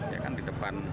ya kan di depan